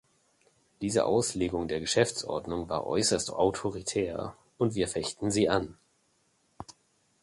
Diese Auslegung der Geschäftsordnung war äußerst autoritär, und wir fechten sie an.